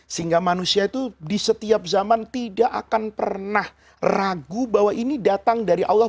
sehingga manusia itu di setiap zaman tidak akan pernah ragu bahwa ini datang dari allah